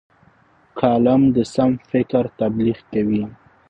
قلم د سم فکر تبلیغ کوي